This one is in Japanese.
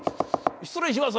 失礼します。